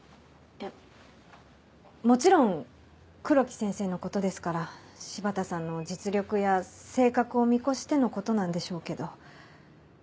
いやもちろん黒木先生のことですから柴田さんの実力や性格を見越してのことなんでしょうけど。